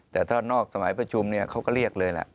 แต่ถ้านอกสมัยประชุมเขาก็เรียกเลย